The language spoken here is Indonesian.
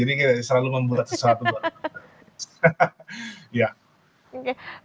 jadi kayak selalu membuat sesuatu buat orang lain